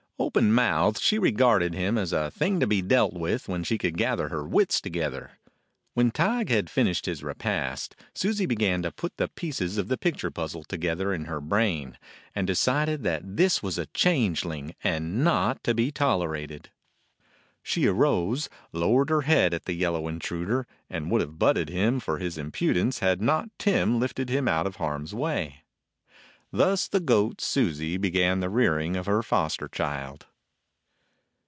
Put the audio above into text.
Open mouthed she re garded him as a thing to be dealt with when she could gather her wits together. When Tige had finished his repast, Susie be gan to put the pieces of the picture puzzle to gether in her brain, and decided that this was a changeling and not to be tolerated. She arose, lowered her head at the yellow intruder, and would have butted him for his impudence, had not Tim lifted him out of harm's way. Thus the goat, Susie, began the rearing of 4 A DOG OF THE SIERRA NEVADAS her foster child.